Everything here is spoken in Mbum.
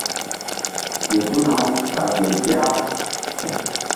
Fe tuna-u ɓa gel ƴah.